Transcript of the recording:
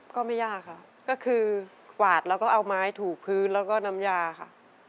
ก็ไม่ยากค่ะก็คือกวาดแล้วก็เอาไม้ถูกพื้นแล้วก็น้ำยาค่ะ